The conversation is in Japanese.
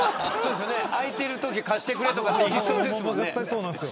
空いているとき貸してくれとかありそうですもんね。